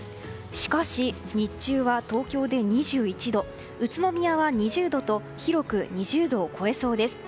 しかし、日中は東京で２１度宇都宮は２０度と広く２０度を超えそうです。